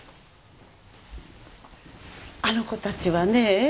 あの子たちはね